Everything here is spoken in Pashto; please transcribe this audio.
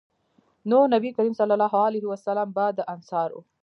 نو نبي کريم صلی الله علیه وسلّم به د انصارو